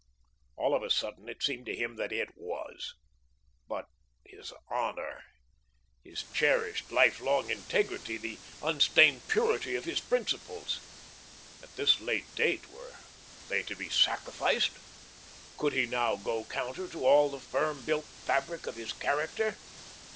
All of a sudden, it seemed to him that it was. But his honour! His cherished, lifelong integrity, the unstained purity of his principles? At this late date, were they to be sacrificed? Could he now go counter to all the firm built fabric of his character?